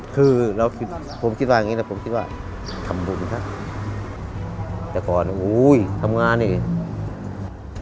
คือผมคิดว่าอย่างนี้นะผมคิดว่าทำบุญครับแต่ก่อนอุ้ยทำงานเอง